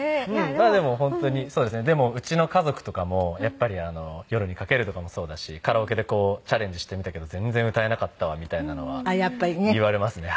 でもうちの家族とかもやっぱり『夜に駆ける』とかもそうだし「カラオケでチャレンジしてみたけど全然歌えなかったわ」みたいなのは言われますね。